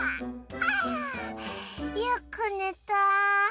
あよく寝た。